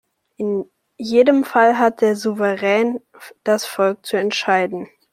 In jedem Fall hat der Souverän das Volk zu entscheiden.